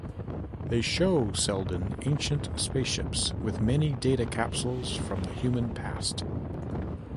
They show Seldon ancient spaceships with many data capsules from the human past.